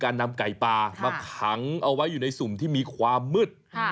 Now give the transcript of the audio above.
นำไก่ปลามาขังเอาไว้อยู่ในสุ่มที่มีความมืด